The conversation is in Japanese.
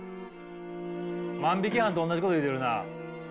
万引き犯とおんなじこと言うてるな。